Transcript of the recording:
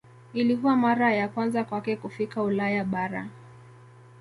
Ilikuwa mara ya kwanza kwake kufika Ulaya bara.